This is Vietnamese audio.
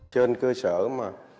trên cơ sở mà